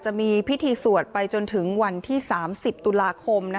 จะมีพิธีสวดไปจนถึงวันที่๓๐ตุลาคม